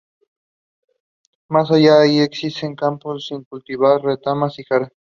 Más allá de allí se extienden campos sin cultivar, retamas y jaras.